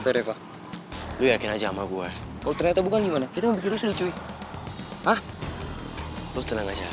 perutnya lu yakin aja sama gua kau ternyata bukan gimana itu bikin lucu cuy